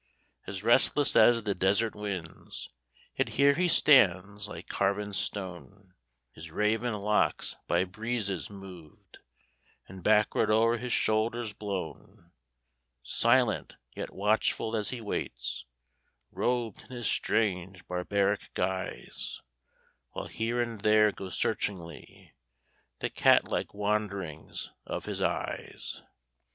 As restless as the desert winds, Yet here he stands like carven stone, His raven locks by breezes moved And backward o'er his shoulders blown; Silent, yet watchful as he waits Robed in his strange, barbaric guise, While here and there go searchingly The cat like wanderings of his eyes.